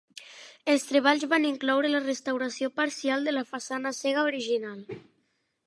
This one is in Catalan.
Els treballs van incloure la restauració parcial de la façana cega original.